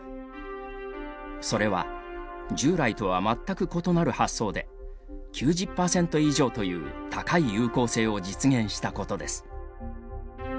それは従来とは全く異なる発想で９０％以上という高い有効性を実現したことです。